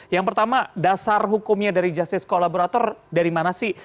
yang pertama dasar hukumnya dari justice kolaborator dari mana sih